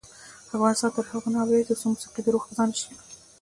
افغانستان تر هغو نه ابادیږي، ترڅو موسیقي د روح غذا نشي.